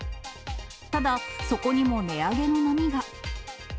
ただ、そこにも値上げの波が。